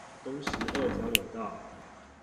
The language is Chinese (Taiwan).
東石二交流道